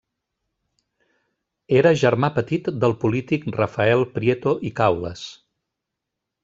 Era germà petit del polític Rafael Prieto i Caules.